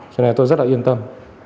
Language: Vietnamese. cho nên tôi rất là yên tâm